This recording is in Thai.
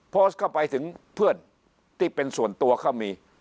โพสต์เข้าไปถึงเพื่อนที่เป็นส่วนตัวก็มี